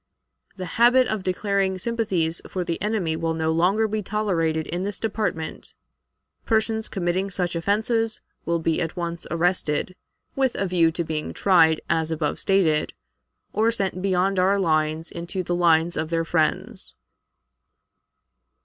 "The habit of declaring sympathies for the enemy will no longer be tolerated in this department. Persons committing such offenses will be at once arrested, with a view to being tried as above stated, or sent beyond our lines into the lines of their friends.